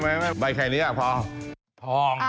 ไม่ใบไข่นี้นะพอง